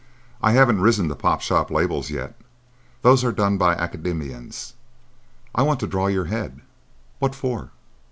I haven't risen to pop shop labels yet. Those are done by the Academicians. I want to draw your head." "What for?"